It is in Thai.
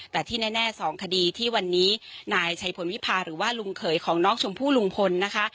แต่ที่แน่๒คดีที่วันนี้นายชัยพลวิพาหรือว่าลุงเขยของน้องชมพู่ลุงพลนะคะ